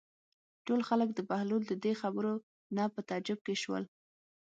ټول خلک د بهلول د دې خبرو نه په تعجب کې شول.